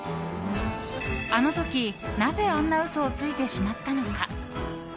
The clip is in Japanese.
あの時、なぜあんな嘘をついてしまったのか。